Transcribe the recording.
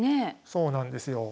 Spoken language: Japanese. そうなんですよ。